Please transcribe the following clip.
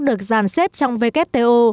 được giàn xếp trong wto